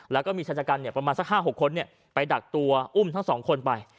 แล้วก็มีชายชะกันประมาณสัก๕๖คนไปดักตัวอุ้มทั้งสองคนไป